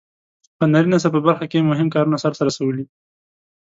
هنري نثر په برخه کې یې مهم کارونه سرته رسولي.